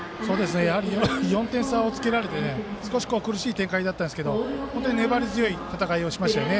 やはり４点差をつけられて少し苦しい展開だったんですけど本当に粘り強い戦いをしましたね。